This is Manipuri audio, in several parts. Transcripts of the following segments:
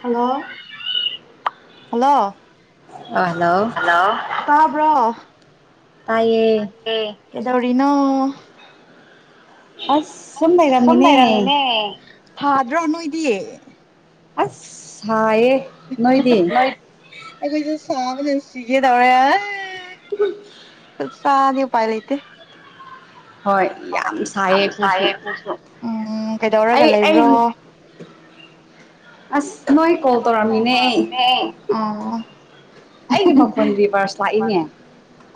ꯍꯜꯂꯣ ꯍꯜꯂꯣ ꯑ ꯍꯜꯂꯣ ꯍꯂꯣ ꯇꯥꯕ꯭ꯔꯣ ꯇꯥꯏꯌꯦ ꯀꯗꯧꯔꯤꯅꯣ ꯑꯁ ꯁꯨꯝ ꯂꯩꯔꯝꯃꯤꯅꯦ ꯊꯥꯗ꯭ꯔꯣ ꯅꯣꯏꯗꯤ ꯑꯁ ꯍ ꯌꯦ ꯑꯩꯈꯣꯏꯁꯨ ꯁꯥꯕ ꯆꯁꯤꯒꯦ ꯇꯧꯔꯦ ꯑꯗꯨꯣꯏ ꯆꯅꯤ ꯎ ꯄꯥꯏ ꯂꯩꯇꯦ ꯍꯣꯏ ꯌꯥꯝ ꯌꯥꯝ ꯁꯥꯏꯌꯦ ꯁꯥꯏꯌꯦꯀꯁꯨ ꯑꯩꯈꯣꯏꯁꯨ ꯎꯝ ꯀꯩꯗꯧꯔꯒ ꯂꯩꯕ꯭ꯔꯣ ꯑꯁ ꯅꯣꯏ ꯀꯣꯜ ꯀꯣ ꯇꯧꯔꯝꯃꯤꯅꯦ ꯇ ꯑꯩ ꯅ ꯑꯩꯒꯤ ꯃꯈꯣꯟ ꯔꯤꯚꯔꯁ ꯂꯥꯛꯏꯅꯦ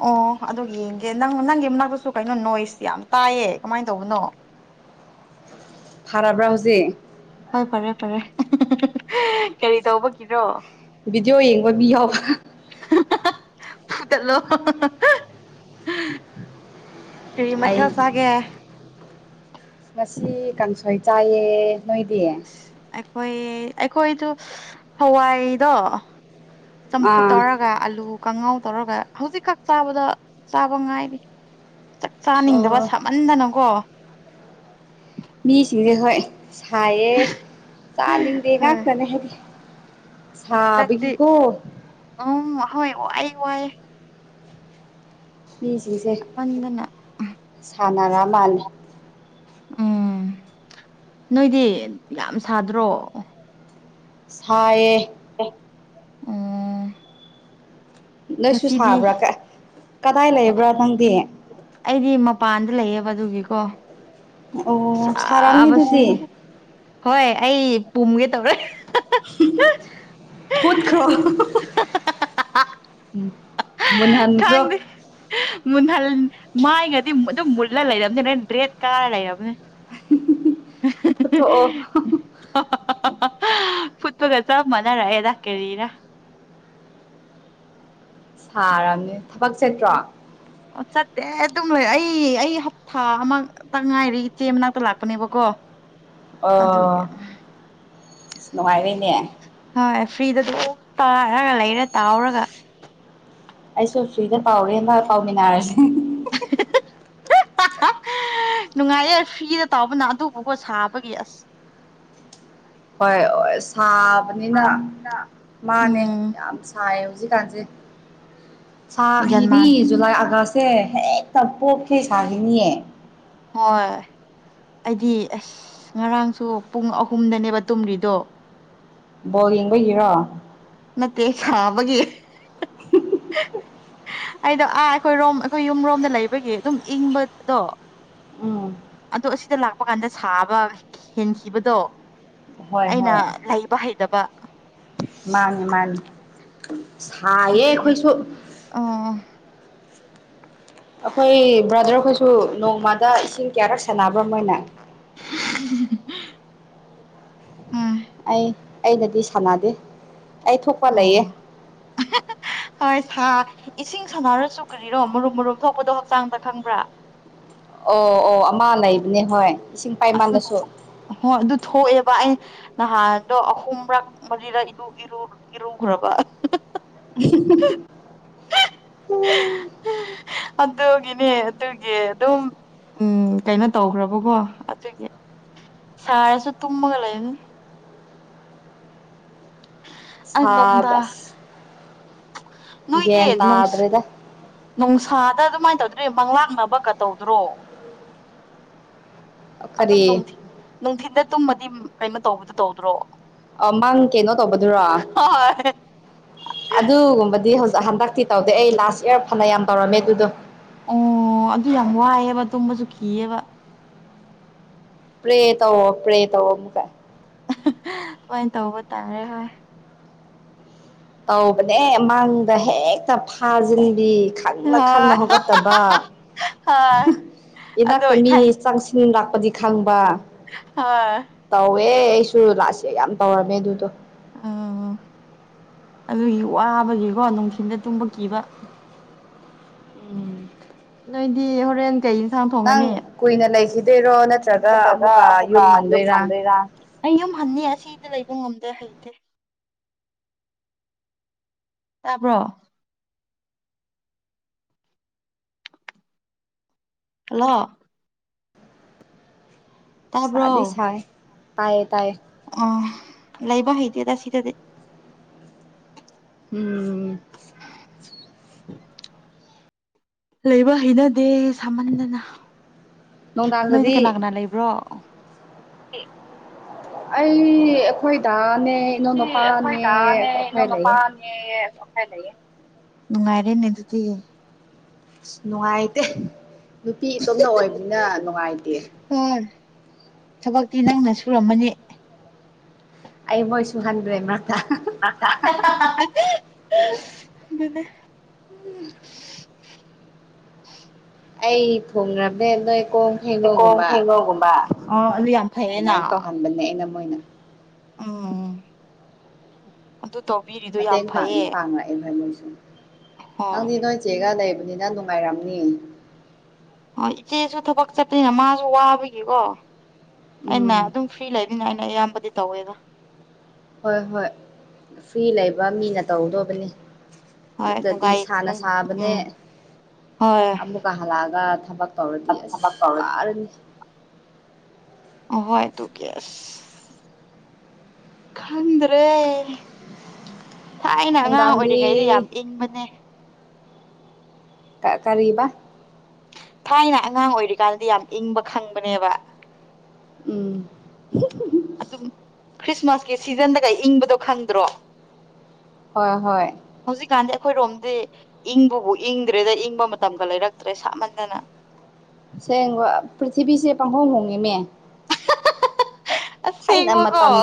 ꯑꯣ ꯑꯗꯨꯒꯤꯡ ꯑꯦ ꯅꯪ ꯅꯪꯒꯤ ꯃꯅꯥꯛꯇꯁꯨ ꯀꯩꯅꯣ ꯅꯣꯏꯁ ꯌꯥꯝ ꯇꯥꯏꯌꯦ ꯀꯃꯥꯏꯅ ꯇꯧꯕꯅꯣ ꯐꯔꯔꯕ꯭ꯔꯥ ꯍꯧꯖꯤꯛ ꯍꯣꯏ ꯐꯔꯦ ꯐꯔꯦ ꯀꯔꯤ ꯇꯧꯕꯒꯤꯔꯣ ꯕꯤꯗꯤꯑꯣ ꯌꯦꯡꯕ ꯃꯤ ꯌꯥꯎꯕ ꯄꯗꯂꯣ ꯀꯔꯤ ꯃꯊ ꯑꯩ ꯆꯒꯦ ꯉꯁꯤ ꯀꯥꯡꯁꯣꯏ ꯆꯥꯏꯌꯦ ꯅꯣꯏꯗꯤꯌꯦ ꯍꯣꯏ ꯑꯩꯈꯣꯏꯗ ꯍꯋꯥꯏꯗꯣ ꯁꯄꯨ ꯑꯥ ꯇꯔꯒ ꯑꯜꯂꯨ ꯀꯥꯡꯉꯥꯎ ꯇꯧꯔꯒ ꯍꯧꯖꯤꯛꯈꯛ ꯆꯥꯕꯗ ꯆꯥꯕ ꯉꯥꯏꯔꯤ ꯆꯥꯛ ꯑꯣ ꯆꯥꯅꯤꯡꯗꯕ ꯁꯥꯃꯟꯗꯅꯀꯣ ꯃꯤꯁꯤꯡꯁꯦ ꯍꯣꯏ ꯁꯥꯏꯌꯦ ꯆꯥꯅꯤꯡꯗꯦ ꯉꯥꯛꯇꯅꯦ ꯍꯥꯏꯗꯤ ꯂꯗꯤ ꯁꯥꯕꯒꯤꯀꯣ ꯎꯝ ꯍꯣꯏ ꯋꯥꯏ ꯋꯥꯏ ꯃꯤꯁꯤꯡꯁꯦ ꯆꯞꯃꯟꯗꯅ ꯁꯥꯟꯅꯔ ꯃꯥꯜꯂꯤ ꯎꯝ ꯅꯣꯏꯗꯤ ꯌꯥꯝ ꯁꯥꯗ꯭ꯔꯣ ꯁꯌꯦ ꯎꯝ ꯅꯣꯏꯁꯨ ꯉꯁꯤꯗꯤ ꯁꯥꯕ꯭ꯔꯥ ꯀꯗꯥꯏ ꯂꯩꯕ꯭ꯔꯥ ꯅꯪꯗꯤ ꯑꯩꯗꯤ ꯃꯄꯥꯟꯗ ꯂꯩꯌꯦꯕ ꯑꯗꯨꯒꯤꯀꯣ ꯑꯣ ꯁꯥꯔꯝꯅꯤ ꯆꯕꯁꯤ ꯑꯗꯨꯗꯤ ꯍꯣꯏ ꯑꯩ ꯄꯨꯝꯒꯦ ꯇꯧꯔꯦ ꯍꯨꯠꯈ꯭ꯔꯣ ꯎꯝ ꯊꯥꯡꯗ ꯃꯟꯅꯜ ꯃꯥꯏꯉꯗꯤ ꯑꯗꯨꯝ ꯃꯨꯜꯂ ꯂꯩꯔꯕꯝꯅꯤ ꯅꯣꯏ ꯔꯦꯠ ꯀꯂꯔ ꯂꯩꯔꯕꯅꯦ ꯐꯊꯣꯛꯑꯣ ꯐꯨꯠꯄꯒ ꯆ ꯃꯅꯥꯔꯦꯗꯥ ꯀꯦꯔꯤꯔ ꯁꯥꯔꯕꯅꯤ ꯊꯕꯛ ꯆꯦꯠꯇ꯭ꯔꯣ ꯑꯣ ꯆꯠꯇꯦ ꯑꯗꯨꯝ ꯂꯩ ꯑꯩ ꯑꯩ ꯍꯞꯇꯥ ꯑꯃꯛꯇ ꯉꯥꯏꯔꯦ ꯏꯆꯦ ꯃꯅꯥꯛꯇ ꯂꯥꯛꯄꯅꯦꯕꯀꯣ ꯑꯗꯨꯒ ꯑꯣ ꯅꯨꯡꯉꯥꯏꯔꯤꯅꯦ ꯑꯦꯔꯤꯗ ꯇꯥꯔꯒ ꯂꯩꯔ ꯇꯥꯎꯔꯒ ꯑꯩꯁꯨ ꯐ꯭ꯔꯤꯗ ꯄꯥꯎꯔꯦꯕ ꯄꯥꯎꯃꯤꯟꯅꯔꯁꯦ ꯅꯨꯡꯉꯥꯏꯌꯦꯦ ꯐꯤꯗ ꯇꯥꯎꯕꯅ ꯑꯗꯨꯕꯨꯀꯣ ꯁꯥꯕꯒꯤ ꯑꯁ ꯍꯣꯏ ꯍ ꯁꯥꯕꯅꯤꯅ ꯁꯥꯕꯅꯤꯅ ꯃꯥꯅꯦ ꯎꯝ ꯌꯥꯝ ꯁꯥꯏ ꯀꯁꯦ ꯒ꯭ꯌꯥꯟ ꯃꯥꯟ ꯁꯥꯗꯤ ꯖꯨꯂꯥꯏ ꯑꯒꯁ ꯦ ꯍꯦꯛꯇ ꯄꯣꯛꯈꯤꯦ ꯁꯥꯈꯤꯅꯤꯌꯦ ꯍꯣꯏ ꯑꯩꯗꯤ ꯑꯁ ꯉꯔꯥꯡꯁꯨ ꯄꯨꯡ ꯑꯍꯨꯝꯗꯅꯦꯕ ꯇꯨꯝꯔꯤꯗꯣ ꯕꯣ ꯌꯦꯡꯕꯒꯤꯔꯣ ꯃꯦ ꯈꯕꯒꯤ [inaudible] ꯑꯩꯗꯣ ꯑꯥ ꯑꯩꯈꯣꯏꯔꯣꯝ ꯑꯩꯈꯣꯏ ꯌꯨꯝꯔꯣꯝꯗ ꯂꯩꯕꯒꯤ ꯑꯗꯨꯝ ꯏꯪꯕꯗꯣ ꯎꯝ ꯑꯗꯣ ꯑꯁꯤꯗ ꯂꯥꯛꯄ ꯀꯥꯟꯗ ꯁꯥꯕ ꯍꯦꯟꯈꯤꯕꯗꯣ ꯍꯣꯏ ꯑꯩꯅ ꯍꯣꯏ ꯂꯩꯕ ꯍꯩꯇꯕ ꯃꯥꯅꯤ ꯃꯥꯅꯤ ꯁꯥꯏꯌꯦ ꯑꯗꯨꯒꯤ ꯑꯩꯈꯣꯏꯁꯨ ꯑꯣ ꯑꯩꯈꯣꯏ ꯕ꯭ꯔꯥꯗꯔꯈꯣꯏꯁꯨ ꯅꯣꯡꯃꯗ ꯏꯁꯤꯡ ꯀꯌꯥꯔꯛ ꯁꯥꯟꯅꯕ꯭ꯔꯥ ꯃꯣꯏꯅ ꯎꯝ ꯑꯩ ꯑꯩꯅꯗꯤ ꯁꯥꯟꯅꯗꯦ ꯑꯩ ꯊꯣꯛꯄ ꯂꯩꯌꯦ ꯍ ꯁꯥ ꯏꯁꯤꯡ ꯁꯥꯟꯅꯔꯁꯨ ꯀꯔꯤꯔꯣ ꯃꯔꯨꯝ ꯃꯔꯨꯝ ꯊꯣꯛꯄꯗꯣ ꯍꯛꯆꯥꯡꯗ ꯈꯪꯕ꯭ꯔꯥ ꯑꯣ ꯑꯣ ꯑꯃ ꯂꯩꯕꯅꯦ ꯍꯣꯏ ꯏꯁꯤꯡ ꯑꯗꯨ ꯄꯥꯏꯃꯥꯟꯗꯁꯨ ꯍꯣꯏ ꯑꯗꯨ ꯊꯣꯛꯑꯦꯕ ꯑꯩ ꯅꯍꯥꯟꯗꯣ ꯑꯍꯨꯝꯔꯛ ꯃꯔꯤꯔ ꯏꯔꯨꯈ꯭ꯔꯕ ꯎꯝ ꯑꯗꯨꯒꯤꯅꯦ ꯑꯗꯨꯒꯤ ꯑꯗꯨꯝ ꯎꯝ ꯀꯩꯅꯣ ꯇꯧꯈ꯭ꯔꯕꯀꯣ ꯆꯁꯨ ꯇꯨꯃꯒ ꯑꯁ ꯁꯥꯥꯕꯁ ꯅꯣꯏꯒꯦ ꯅ ꯅ ꯊꯥꯗ ꯑꯗꯨꯃꯥꯏꯅ ꯇꯧꯗ꯭ꯔꯔꯤ ꯃꯪꯂꯥꯛꯅꯕ ꯀ ꯇꯧꯗ꯭ꯔꯣ ꯀꯔꯤ ꯑꯗꯨꯝꯊꯤ ꯅꯨꯡꯊꯤꯗ ꯇꯨꯝꯃꯗꯤ ꯀꯩꯅꯣ ꯇꯧꯕꯗꯣ ꯇꯧꯗ꯭ꯔꯣ ꯑ ꯃꯪ ꯀꯩꯅꯣ ꯇꯧꯕꯗꯨꯔꯣ ꯍꯣꯏ ꯑꯗꯨꯒꯨꯝꯕꯗꯤ ꯍꯧꯖꯤꯛ ꯍꯟꯗꯛꯇꯤ ꯇꯧꯗꯦ ꯑꯩ ꯂꯥꯁ ꯏꯔ ꯐꯅ ꯌꯥꯝ ꯇꯧꯔꯝꯃꯦ ꯑꯗꯨꯗꯣ ꯑꯣ ꯑꯗꯨ ꯌꯥꯝ ꯋꯥꯏꯑꯦꯕ ꯇꯨꯝꯕꯁꯨ ꯀꯤꯑꯕ ꯄꯦ ꯇ ꯑꯣ ꯄ꯭ꯔꯦ ꯇ ꯑꯣ ꯑꯃꯨ ꯀꯥꯏ ꯑꯗꯨꯃꯥꯏꯅ ꯇꯧꯕ ꯇꯥꯔꯦ ꯍꯣꯏ ꯇꯧꯕꯅꯦ ꯃꯥꯡꯗ ꯍꯦꯛꯇ ꯐꯥꯖꯤꯟꯕꯤ ꯈꯪꯅ ꯈꯪꯅ ꯍꯣꯏ ꯍꯧꯒꯠꯇꯕ ꯍꯣꯏ ꯑꯗꯣ ꯏꯅꯥꯛꯇ ꯃꯤ ꯆꯪꯁꯤꯟ ꯂꯄ ꯄꯗꯤ ꯈꯪꯕ ꯍ ꯑꯦ ꯑꯩꯁꯨ ꯂꯥꯛꯁꯦ ꯌꯥꯝ ꯇꯧꯔꯝꯃꯦ ꯑꯗꯨꯗꯣ ꯎꯝ ꯑꯗꯨꯒꯤ ꯋꯥꯕꯒꯤꯀꯣ ꯅꯨꯡꯊꯤꯟꯗ ꯇꯨꯝꯕ ꯀꯤꯕ ꯅꯣꯏꯗꯤ ꯍꯣꯔꯦꯟ ꯀꯩ ꯅꯪ ꯐꯒꯅꯤ ꯀꯨꯏꯅ ꯂꯩꯈꯤꯗꯣꯏꯔꯣ ꯅꯠꯇ꯭ꯔꯒ ꯑꯃꯨꯛꯀ ꯌꯨꯝ ꯌꯣ ꯍꯟꯗꯣꯏꯔꯥ ꯍꯗꯣꯏꯔꯥ ꯑꯩ ꯌꯨꯝ ꯍꯟꯅꯤ ꯑꯁꯤꯗ ꯂꯩꯕ ꯉꯝꯗꯦ ꯍꯩꯇꯦ ꯇꯥꯕ꯭ꯔꯣ ꯍꯜꯂꯣ ꯁꯥꯗꯤꯁ ꯇꯥꯌꯦ ꯇꯌꯦ ꯑ ꯂꯩꯥꯏꯕ ꯍꯗꯤꯦꯗꯁꯤꯗꯗꯤ ꯎꯝ ꯂꯩꯕ ꯍꯩꯅꯗꯦ ꯁꯃꯟꯗꯅ ꯅꯣꯏꯗꯤ ꯀꯅꯥ ꯅꯨꯡꯗꯥꯡꯗꯗꯤ ꯀꯅꯥ ꯂꯩꯕ꯭ꯔꯣ ꯑꯩ ꯑꯩꯈꯣꯏꯗꯅꯦ ꯁꯤ ꯑꯩꯈꯣꯏ ꯗꯥꯅꯦ ꯂꯩꯌꯦ ꯏꯅꯎꯅꯨꯄꯥꯅꯦ ꯅꯨꯡꯉꯥꯏꯔꯦꯅꯦ ꯑꯗꯨꯗꯤ ꯑꯁ ꯅꯨꯡꯉꯥꯏꯇꯦ ꯅꯨꯄꯤ ꯏꯇꯣꯝꯅ ꯑꯣꯏꯕꯅꯤꯅ ꯅꯨꯡꯉꯥꯏꯇꯦ ꯍꯣꯏ ꯊꯕꯛꯇꯤ ꯅꯪꯅ ꯁꯨꯔꯝꯃꯅꯤ ꯑꯩ ꯃꯣꯏꯁꯨꯨꯍꯥꯟꯗ꯭ꯔꯦꯃ ꯑꯗꯨ [unintelligible] ꯑꯩ ꯊꯣꯡꯕꯅꯦꯦ ꯅꯣꯏ ꯀꯣꯡ ꯍꯩꯀꯣꯡ ꯈꯩꯩꯅꯧꯒꯨꯝꯕ ꯍꯩꯉꯧꯒꯨꯝꯕ ꯑꯣ ꯑꯗꯨ ꯌꯥꯝ ꯐꯩꯌꯦꯅ ꯑꯗꯨꯃꯥꯏꯅ ꯇꯧꯍꯟꯕꯅꯦ ꯑꯩꯅ ꯃꯣꯏꯅ ꯑ ꯃꯇꯦꯡ ꯄꯥꯡꯅꯤ ꯄꯥꯡꯉꯛꯑꯦ ꯅꯣꯏ ꯃꯣꯏꯁꯨ ꯅꯪꯗꯤ ꯍꯣꯏ ꯅꯣꯏ ꯆꯦꯒ ꯂꯩꯕ ꯑꯗꯨꯅꯤꯅ ꯅꯨꯡꯉꯥꯏꯔꯝꯅꯤ ꯍꯣꯏ ꯏꯆꯦꯁꯨ ꯊꯕꯛ ꯆꯠꯇꯅꯤꯅ ꯃꯥꯁꯨ ꯋꯥꯕꯒꯤꯀꯣ ꯑꯩꯅ ꯎꯝ ꯑꯗꯨꯝ ꯐ꯭ꯔꯤ ꯂꯩꯕ ꯅꯦ ꯑꯌꯥꯝꯕꯗꯤ ꯇꯧꯋꯦꯗ ꯍꯣꯏ ꯍꯣꯏ ꯐ꯭ꯔꯤ ꯂꯩꯕ ꯃꯤꯅ ꯇꯧꯗꯧꯕꯅꯤ ꯍꯣꯏ ꯅꯠꯇ꯭ꯔꯗꯤ ꯅꯨꯡꯉꯥꯏ ꯏꯁꯥꯅ ꯁꯥꯕꯅꯦ ꯎꯝ ꯍꯣꯏ ꯑꯃꯨꯛꯀ ꯍꯜꯂꯛꯑꯒ ꯄꯧꯔꯗꯤ ꯑꯁ ꯊꯕꯛ ꯇꯧꯔꯗꯤ ꯋꯥꯔꯅꯤ ꯍ ꯇꯨ ꯀꯁ ꯈꯗ꯭ꯔꯦ ꯊꯥꯏꯅ ꯑꯉꯥꯡ ꯅꯨꯡꯗꯥꯡꯗꯤ ꯑꯣꯏꯔꯤꯉꯩꯗ ꯌꯥꯝ ꯏꯪꯕꯅꯦ ꯀ ꯇꯔꯤꯕ ꯊꯥꯏꯅ ꯑꯉꯥꯡ ꯑꯣꯏꯔꯤꯀꯥꯟꯗꯗꯤ ꯌꯥꯝ ꯏꯪꯕ ꯈꯪꯕꯅꯦꯕ ꯎꯝ ꯑꯗꯨꯝ ꯈ꯭ꯔꯤꯁꯃꯥꯁꯀꯤ ꯁꯤꯖꯟꯗꯒꯩ ꯏꯪꯕꯗꯣ ꯈꯪꯗ꯭ꯔꯣ ꯍꯣꯏ ꯍꯣꯏ ꯍꯧꯖꯤꯛꯀꯥꯟꯗꯤ ꯑꯩꯈꯣꯏꯔꯣꯝꯗꯤ ꯏꯪꯕꯕꯨ ꯏꯪꯗ꯭ꯔꯦꯗ ꯏꯪꯕ ꯃꯇꯝꯒ ꯂꯩꯔꯛꯇ꯭ꯔꯦ ꯁꯥꯞꯃꯟꯗꯅ ꯁꯦꯡ ꯄ꯭ꯔꯤꯊꯤꯕꯤꯁꯦ ꯄꯥꯡꯍꯣꯡ ꯍꯣꯡꯉꯤꯅꯦ ꯊꯥꯏꯅ ꯑꯁꯦꯡꯕꯀꯣ ꯃꯇꯝ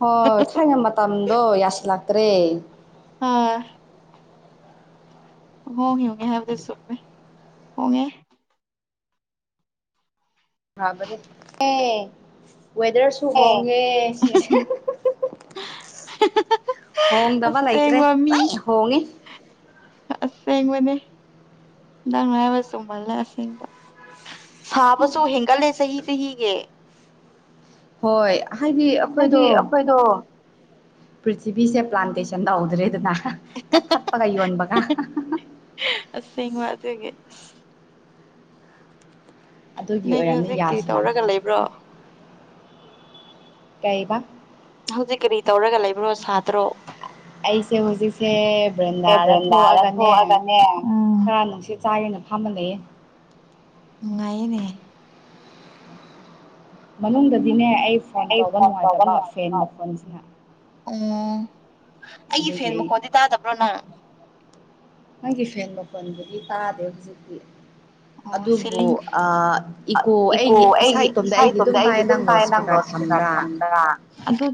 ꯍꯣꯏ ꯊꯥꯏꯅ ꯃꯇꯝꯗꯣ ꯌꯥꯁꯤꯜꯂ ꯇ꯭ꯔꯦ ꯑꯥ ꯍꯒꯦ ꯍꯒꯦ ꯍꯥꯏ ꯁ ꯍꯒꯦ ꯍꯥꯕ ꯑꯦ ꯋꯦꯗꯔꯁꯨ ꯑꯣ ꯍꯣꯡꯉꯦ ꯁꯤꯁꯦ ꯍꯣꯡꯗꯕ ꯂꯩꯇ꯭ꯔꯦ ꯑꯁꯦꯡꯕ ꯃꯤ ꯍꯣꯡꯉꯤ ꯑꯁꯦꯡꯕꯅꯦ ꯅꯪ ꯂꯥꯏꯕ ꯆꯨꯝꯃꯜꯂꯦ ꯑꯁꯦꯡꯕ ꯁꯥꯕꯁꯨ ꯍꯦꯟꯒꯠꯂꯦ ꯆꯍꯤ ꯆꯍꯤꯒꯤ ꯍꯣꯏ ꯍꯥꯏꯗꯤ ꯑꯩꯈꯣꯏꯗꯣ ꯍꯥꯏꯗꯤ ꯑꯩꯈꯣꯏꯗꯣ ꯄ꯭ꯔꯤꯊꯤꯕꯤꯁꯦ ꯄ꯭ꯂꯥꯟꯇꯦꯁꯟ ꯇ ꯍꯧꯧꯗ꯭ꯔꯦꯗꯅ ꯀ ꯊꯞꯄꯒ ꯌꯧꯟꯕꯒ ꯁ ꯃꯥꯗ ꯍꯥꯏꯒꯦ ꯑꯗꯨꯒꯤ ꯅꯗꯤ ꯑꯣꯏꯔꯝꯅꯤ ꯍꯧꯖꯤꯛꯀꯤ ꯌꯥꯁꯤ ꯇꯧꯔꯒ ꯂꯥꯛꯇ꯭ꯔꯦ ꯂꯩꯕ꯭ꯔꯣ ꯀꯩꯕ ꯍꯧꯖꯤꯛ ꯀꯔꯤ ꯇꯧꯔꯒ ꯂꯩꯕ꯭ꯔꯣ ꯁꯥꯗ꯭ꯔꯣ ꯑꯩꯁꯦ ꯍꯧꯖꯤꯛꯁꯦ ꯑꯦ ꯕ꯭ꯔꯤꯟꯗꯥꯗ ꯕ꯭ꯔꯦꯟꯗꯥꯗ ꯊꯣꯛꯑꯒꯅꯦ ꯎꯝ ꯈꯔ ꯅꯨꯡꯁꯤ ꯆꯥꯒꯦꯅ ꯐꯥꯃ ꯂꯩꯌꯦ ꯎ ꯉꯥꯏꯅꯦ ꯃꯅꯨꯡꯗꯗꯤꯅꯦ ꯑꯩ ꯐꯣꯟ ꯇꯧꯕ ꯅꯨꯡꯉꯥꯏꯇꯕ ꯐꯦꯟ ꯃꯈꯣꯟꯁꯤꯅ ꯑꯣ ꯑꯩꯒꯤ ꯑꯗꯨꯒꯤ ꯐꯦꯟ ꯑꯩ ꯃꯈꯣꯟꯗꯤ ꯇꯥꯗꯕ꯭ꯔꯣ ꯅꯪ ꯅꯪꯒꯤ ꯐꯦꯟ ꯃꯄꯣꯟꯕꯨꯗꯤ ꯇꯥꯗꯦ ꯍꯧꯖꯤꯛꯇꯤ ꯑꯣ ꯑꯗꯨꯕꯨ ꯁꯤꯂꯤꯡ ꯏꯀꯣ ꯑꯩꯒꯤ ꯏꯁꯥ ꯏꯇꯣꯝꯇ ꯑꯩꯗꯤ ꯑꯗꯨꯝ ꯇꯥꯏꯑꯌꯦ ꯅꯪꯅꯣ ꯏꯁꯄꯤꯀꯔ ꯊ ꯊꯒ ꯑꯗꯨ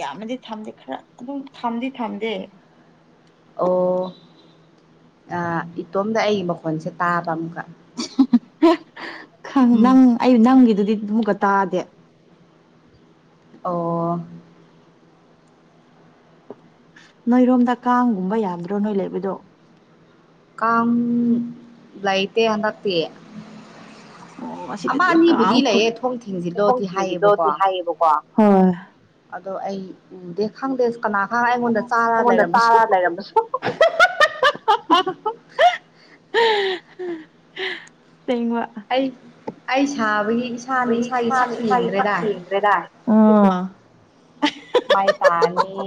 ꯌꯥꯝꯌꯥꯝꯃꯗꯤ ꯊꯝꯗꯦ ꯈꯔ ꯑꯗꯨꯝ ꯊꯝꯗꯤ ꯊꯝꯗꯦ ꯑꯣ ꯏꯇꯣꯝꯗ ꯑꯩꯒꯤ ꯃꯈꯣꯟꯁꯦ ꯇꯥꯕ ꯑꯃꯨꯛꯀ ꯎꯝ ꯅꯪ ꯑꯩ ꯅꯪꯒꯤꯗꯨꯗꯤ ꯑꯃ ꯑꯃꯨꯛꯀ ꯇꯥꯗꯦ ꯑꯣ ꯅꯣꯏꯔꯣꯝꯗ ꯀꯥꯡꯒꯨꯝꯕ ꯌꯥꯝꯗ꯭ꯔꯣ ꯅꯣꯏ ꯂꯩꯕꯗꯣ ꯀ ꯂꯩꯥꯏꯇ ꯍꯗꯇ ꯑꯣ ꯑꯃ ꯑꯁꯤꯗꯗꯤ ꯑꯅꯤꯕꯨꯗꯤ ꯀꯥꯡ ꯈꯨꯏ ꯂꯩꯌꯦ ꯊꯣꯡ ꯂꯩꯈꯣꯝ ꯊꯦꯡꯖꯤꯜꯂꯣꯗꯤ ꯍꯥꯏꯌꯦꯕꯀꯣ ꯊꯤꯟꯕꯤꯗꯣꯗꯤ ꯍꯥꯏꯌꯦꯕꯀꯣ ꯍꯣꯏ ꯑꯗꯣ ꯑꯩ ꯎꯗꯦ ꯈꯥꯡꯒꯦ ꯀꯅꯥꯒꯪ ꯑꯩꯉꯣꯟꯗ ꯆꯥꯔ ꯑꯩꯉꯣꯟꯗ ꯂꯩꯔꯝꯕꯁꯨ ꯆꯥꯔ ꯂꯩꯔꯝꯕꯁꯨ ꯇꯦꯡꯉꯋꯥ ꯑꯩ ꯑꯩ ꯁꯥꯕꯒꯤ ꯏꯁꯥꯅ ꯏꯁꯥꯒꯤ ꯁꯛ ꯏꯁꯥꯅ ꯏꯁꯥꯒꯤ ꯁꯛ ꯌꯦꯡꯗ꯭ꯔꯦꯗꯥ ꯌꯦꯡꯗ꯭ꯔꯦꯗ ꯑꯥ ꯃꯩ ꯇꯥꯅꯤ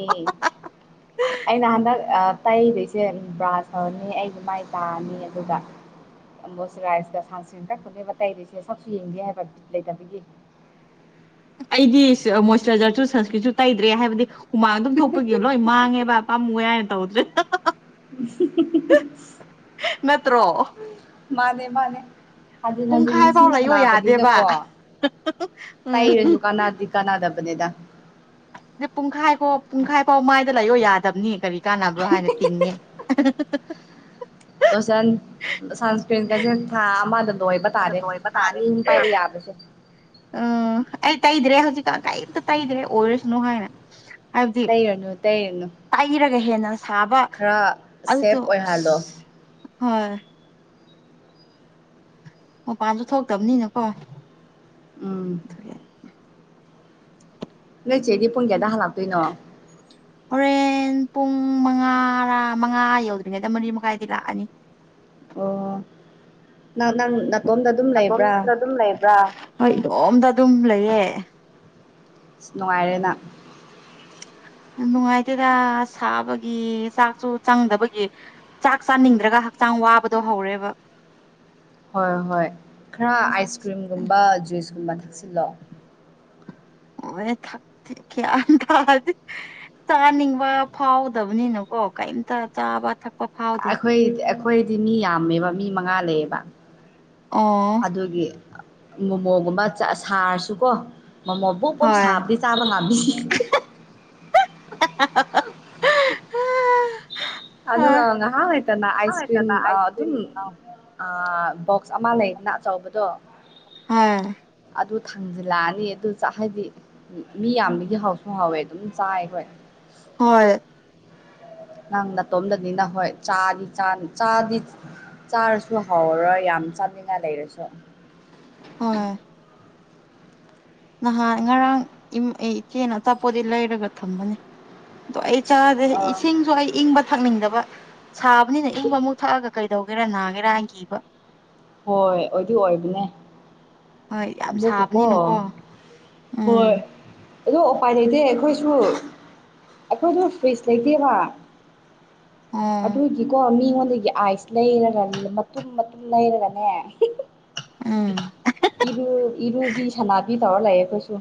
ꯑꯩꯅ ꯍꯟꯗꯛ ꯇꯩꯗꯣꯏꯁꯦꯝ ꯕ꯭ꯔꯥꯖ ꯍꯧꯔꯅꯤ ꯑꯩꯒꯤ ꯃꯥꯏ ꯇꯥꯅꯤ ꯑꯗꯨꯒ ꯃꯣꯁ ꯔꯥꯏꯁꯀ ꯁꯁ ꯀꯛꯄꯅꯦꯕ ꯇꯇꯩꯗꯤꯁꯦ ꯁꯛꯁꯨꯨ ꯌꯦꯡꯒꯦ ꯍꯥꯏꯕ ꯂꯩꯇꯕꯒꯤ [inaudible] ꯑꯩꯗꯤ ꯃꯣꯏꯆꯔꯥꯏꯖꯔꯁꯨ ꯁꯟꯁꯀ꯭ꯔꯤꯠꯁꯨ ꯇꯩꯗ꯭ꯔꯦ ꯍꯥꯏꯕꯗꯤ ꯍꯨꯃꯥꯡ ꯑꯗꯨꯝ ꯊꯣꯛꯄꯒꯤ ꯂꯣꯏ ꯃꯥꯡꯉꯦꯕ ꯄꯥꯝꯃꯨ ꯍꯥꯏꯏꯅ ꯇꯧꯗ꯭ꯔꯦ ꯅꯠꯇ꯭ꯔꯣ ꯃꯥꯅꯦ ꯃꯥꯅꯦ ꯍꯟꯖꯤꯟ ꯍꯟꯖꯤꯟ ꯄꯨꯡꯈꯥꯏ ꯐꯥꯎ ꯂꯤꯁꯤꯡ ꯂꯩꯌꯣ ꯌꯥꯗꯦꯕ ꯁꯥꯟꯅꯥꯅꯕꯅꯤꯅꯀꯣ ꯎꯝ ꯇꯩꯔꯁꯨ ꯀꯅ ꯀꯥꯟꯅꯗꯕ ꯅꯦꯗ ꯑ ꯄꯨꯡꯈꯥꯏ ꯐꯥꯎ ꯄꯨꯡꯈꯥꯏꯐꯥꯎ ꯃꯥꯏꯗ ꯂꯩꯌꯣ ꯌꯥꯗꯕꯅꯤ ꯀꯔꯤ ꯀꯥꯟꯅꯕ꯭ꯔꯣ ꯍꯥꯏꯅ ꯇꯤꯡꯉꯦ ꯂꯣꯁꯟ ꯑꯣꯏꯕ ꯑꯗ ꯇꯥꯔꯦ ꯂꯣꯏꯕ ꯇꯥꯔꯦ ꯅꯍꯅꯤꯨꯝ ꯄꯥꯏꯕ ꯌꯥꯕꯁꯦ ꯎꯝ ꯑꯩ ꯇꯩꯗ꯭ꯔꯦ ꯍꯧꯖꯤꯛꯀꯥꯟ ꯀꯩꯝꯇ ꯇꯩꯗ꯭ꯔꯦ ꯑꯣꯏꯔꯁꯅꯨ ꯍꯥꯏꯅ ꯍꯥꯏꯕꯗꯤ ꯇꯩꯅꯨ ꯇꯩꯅꯨ ꯇꯩꯔꯒ ꯍꯦꯟꯅ ꯁꯥꯕ ꯁꯦꯞ ꯑꯗꯨꯗꯣ ꯑꯣꯏꯍꯜꯂꯣ ꯑ ꯍꯣꯏ ꯃꯄꯥꯟꯁꯨ ꯊꯣꯛꯇꯕꯅꯤꯅꯀꯣ ꯎꯝ ꯑꯗꯨꯒꯤ ꯅꯣꯏꯆꯦꯗꯤ ꯄꯨꯡ ꯀꯌꯥꯗ ꯍꯜꯂꯛꯇꯣꯏꯅꯣ ꯍꯣꯔꯦ ꯌꯦꯟ ꯄꯨꯡ ꯃꯉꯥ ꯃꯉꯥ ꯌꯧꯗ꯭ꯔꯤꯉꯩꯗ ꯃꯔꯤ ꯃꯈꯥꯏꯗꯤ ꯂꯥꯛꯑꯅꯤ ꯑꯣ ꯅꯪ ꯅꯪ ꯅꯥꯇꯣꯝꯗ ꯑꯗꯨꯝ ꯑꯗꯣꯝ ꯂꯩꯕ꯭ꯔꯥ ꯑꯗꯨꯝ ꯂꯩꯕ꯭ꯔꯥ ꯍꯣꯏ ꯏꯇꯣꯝꯗ ꯑꯗꯨꯝꯂꯑꯦ ꯅꯨꯡꯉꯥꯏꯔꯦꯅ ꯅꯨꯡꯉꯥꯏꯇꯦꯗ ꯁꯥꯕꯒꯤ ꯆꯥꯛꯁꯨ ꯆꯪꯗꯕꯒꯤ ꯆꯥꯛ ꯆꯥꯅꯤꯡꯗ꯭ꯔꯒ ꯍꯛꯆꯥꯡ ꯋꯥꯕꯗꯣ ꯍꯧꯔꯦꯕ ꯍꯣꯏ ꯍꯣꯏ ꯈꯔ ꯑꯥꯏꯁ ꯀ꯭ꯔꯤꯝꯒꯨꯝꯕ ꯖꯨꯏꯁꯀꯨꯝꯕ ꯊꯛꯆꯤꯜꯂꯣ ꯍꯣꯏ ꯒꯌꯥꯟ ꯇꯥꯗꯦ ꯆꯥꯅꯤꯡꯕ ꯐꯥꯎꯗꯕꯅꯤꯅꯀꯣ ꯀꯣ ꯀꯩꯝꯇ ꯆꯥꯕ ꯊꯛꯄ ꯐꯥꯎꯗꯦ ꯑꯩꯈꯣꯏ ꯑꯩꯈꯣꯏꯗꯤ ꯃꯤ ꯌꯥꯝꯃꯦꯕ ꯃꯤ ꯃꯉꯥ ꯂꯩꯌꯦꯕ ꯑꯣ ꯑꯗꯨꯒꯤ ꯃꯣꯃꯣꯒꯨꯝꯕ ꯁꯥꯔꯁꯨꯀꯣ ꯃꯣꯃꯣ ꯄꯣꯞ ꯄꯣꯞ ꯍꯣꯏ ꯁꯥꯕꯗꯤ ꯆꯥꯕ ꯉꯝꯃꯤ ꯍꯣꯏ ꯑꯗꯨꯒ ꯉꯍꯥꯟ ꯂꯩꯇꯅ ꯑꯩꯁ ꯀ꯭ꯔꯤꯝ ꯂꯩꯇꯅ ꯑꯥꯏꯁ ꯑꯗꯨꯝ ꯀ꯭ꯔꯤꯝ ꯑ ꯕꯣꯛꯁ ꯑꯃ ꯂꯩꯅ ꯑꯆꯧꯕꯗꯣ ꯍꯥꯥ ꯑꯗꯨ ꯊꯥꯡꯖꯤꯜꯂꯛꯑꯅꯤ ꯑꯗꯨ ꯆꯥꯏ ꯍꯥꯏꯗꯤ ꯃꯤ ꯌꯥꯝꯕꯒꯤ ꯍꯥꯎꯁꯨ ꯍꯥꯎꯋꯦ ꯑꯗꯨꯝ ꯆꯥꯏ ꯑꯩꯈꯣꯏ ꯍꯣꯏ ꯅꯪ ꯅꯥꯇꯣꯝꯗꯅꯤ ꯅ ꯍꯣꯏ ꯆꯥꯗꯤ ꯆꯥꯅꯤ ꯆꯥꯗꯤ ꯆꯥꯔꯁꯨ ꯍꯥꯎꯔꯔꯣꯏ ꯌꯥꯝ ꯆꯥꯅꯤꯡꯉꯥꯏ ꯂꯩꯔꯁꯨ ꯍꯣꯏ ꯅꯍꯥꯟ ꯉꯔꯥꯡ ꯑꯩ ꯏꯆꯦꯅ ꯑꯆꯥꯄꯣꯠꯗꯤ ꯂꯩꯔꯒ ꯊꯝꯕꯅꯦ ꯑꯗꯣ ꯑꯩ ꯆꯥꯗꯦ ꯑꯥ ꯏꯁꯤꯡꯁꯨ ꯑꯏꯪꯕ ꯊꯛꯅꯤꯡꯗꯕ ꯁꯥꯕꯅꯤꯅ ꯏꯪꯕ ꯑꯃꯨꯛ ꯊꯛꯑꯒ ꯀꯩꯗꯧꯒꯦꯔꯥ ꯅꯥꯒꯦꯔꯥ ꯍꯥꯏꯅ ꯀꯤꯕ ꯍꯣꯏ ꯑꯣꯢꯗꯤ ꯑꯣꯏꯕꯅꯦ ꯍꯣꯏ ꯌꯥꯝ ꯑꯕꯣꯛꯀꯀꯣ ꯁꯥꯕꯅꯤꯅꯀꯣ ꯍꯣꯏ ꯎꯝ ꯑꯗꯣ ꯎꯄꯥꯏ ꯂꯩꯇꯦ ꯑꯩꯈꯣꯏꯁꯨ ꯑꯩꯈꯣꯏꯁꯨ ꯐ꯭ꯔꯤꯖ ꯂꯩꯇꯦꯕ ꯑꯣ ꯑꯗꯨꯒꯤꯀꯣ ꯃꯤꯉꯣꯟ ꯑꯗꯨꯒꯤ ꯑꯥꯏꯁ ꯂꯩꯔ ꯃꯇꯨꯝ ꯃꯇꯨꯝ ꯂꯩꯔꯒꯅꯦ ꯎꯝ ꯏꯔꯨ ꯏꯔꯨꯕꯤ ꯁꯥꯅꯕꯤ ꯇꯧꯔ ꯂꯩꯌꯦ ꯑꯩꯈꯣꯏꯁꯨ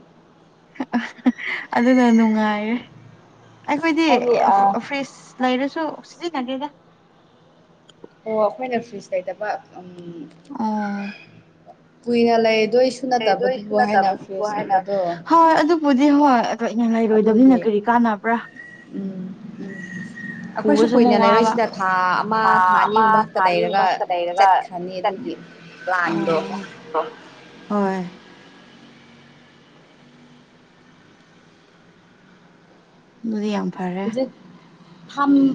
ꯑꯗꯨꯅ ꯅꯨꯡꯉꯥꯏꯔꯦ ꯑꯩꯈꯣꯏꯗꯤ ꯍꯥꯏꯗꯤ ꯑꯥ ꯐ꯭ꯔꯤꯖ ꯂꯩꯔꯁꯨ ꯁꯤꯖꯤꯟꯅꯗꯦꯗ ꯑꯣ ꯑꯩꯈꯣꯏꯅ ꯐ꯭ꯔꯤꯖ ꯂꯩꯇꯕ ꯎꯝ ꯎꯝ ꯀꯨꯏꯅ ꯂꯩ ꯗꯣꯏꯁꯨ ꯅꯠꯇꯕꯗꯨꯕꯨ ꯍꯥꯏꯅ ꯍꯣꯏ ꯑꯗꯨꯕꯨꯗꯤ ꯍꯣꯏ ꯀꯨꯏꯅ ꯂꯩꯔꯣꯏꯗꯕꯅꯤꯅ ꯑꯗꯨꯒꯤ ꯀꯔꯤ ꯀꯥꯟꯅꯕ꯭ꯔ ꯎꯝ ꯎꯝ ꯑꯩꯈꯣꯏꯁꯨ ꯄꯨꯕꯁꯨ ꯑꯃꯨꯛ ꯀꯨꯏꯅ ꯋꯥꯕ ꯂꯩꯔꯣꯏꯁꯤꯗ ꯊꯥ ꯑꯃ ꯊꯥ ꯑꯃ ꯑꯅꯤꯒꯨꯝꯕ ꯊꯥ ꯈꯛꯇ ꯑꯅꯤꯒꯨꯝꯕ ꯂꯩꯔꯒ ꯈꯛꯇ ꯂꯩꯔꯒ ꯆꯠꯈ꯭ꯔꯅꯤ ꯑꯗꯨ ꯄ꯭ꯂꯥꯟꯗꯣ ꯑꯣ ꯍꯣꯏ ꯑꯗꯨꯗꯤ ꯌꯥꯝ ꯐꯔꯦ ꯐꯝꯕꯩ